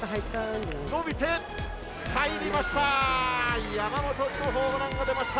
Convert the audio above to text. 伸びて、入りました。